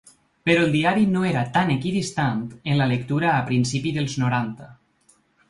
Però el diari no era tan equidistant en la lectura a principi dels noranta.